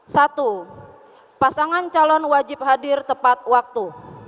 satu pasangan calon wajib hadir tepat waktu